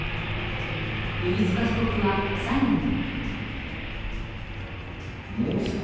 飯塚被告は最後に。